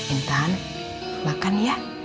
intan makan ya